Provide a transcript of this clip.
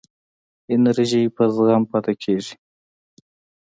انرژی په زغم پاتې کېږي.